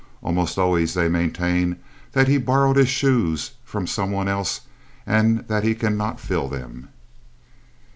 Almost always they maintain that he borrowed his shoes from some one else and that he cannot fill them.